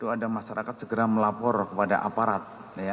ada masyarakat segera melapor kepada aparat